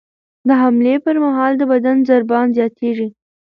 د حملې پر مهال د بدن ضربان زیاتېږي.